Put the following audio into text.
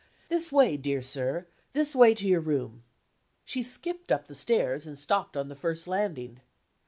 This way, dear sir; this way to your room." She skipped up the stairs, and stopped on the first landing.